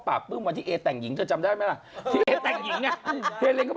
อ๊าจะเล่าให้ฟัง